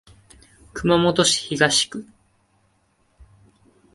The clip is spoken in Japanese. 熊本市東区